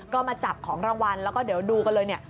ก็มาจับของรางวัลแล้วก็เดี๋ยวดูกันเลยเนี่ย